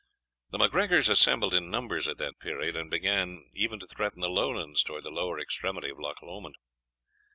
The MacGregors assembled in numbers at that period, and began even to threaten the Lowlands towards the lower extremity of Loch Lomond.